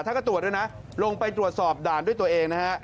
ท่านก็ตรวจด้วยนะลงไปตรวจสอบด่านด้วยตัวเองนะฮะ